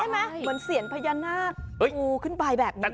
ใช่ไหมเหมือนเสียนพญานาคขึ้นไปแบบนี้เลย